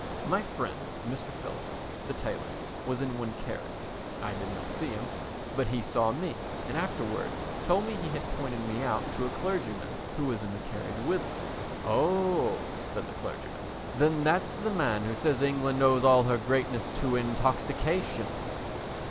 My friend Mr. Phillips, the tailor, was in one carriage, I did not see him, but he saw me and afterwards told me he had pointed me out to a clergyman who was in the carriage with him. "Oh," said the clergyman, "then that's the man who says England owes all her greatness to intoxication."